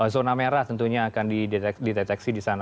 zona merah tentunya akan dideteksi di sana